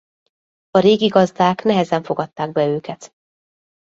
A régi gazdák nehezen fogadták be őket.